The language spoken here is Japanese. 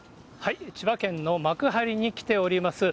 千葉県の幕張に来ております。